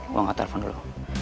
gue angkat telepon dulu